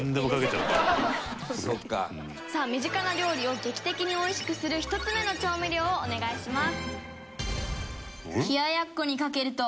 さあ身近な料理を劇的においしくする１つ目の調味料をお願いします。